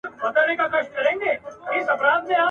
نه تر ښار نه تر بازاره سو څوک تللای !.